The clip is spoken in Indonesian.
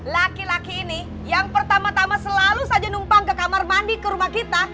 laki laki ini yang pertama tama selalu saja numpang ke kamar mandi ke rumah kita